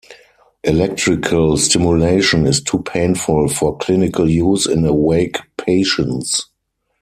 Electrical stimulation is too painful for clinical use in awake patients.